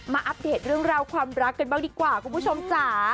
อัปเดตเรื่องราวความรักกันบ้างดีกว่าคุณผู้ชมจ๋า